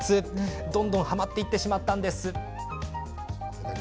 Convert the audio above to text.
どんどんはまっていってしまったんです。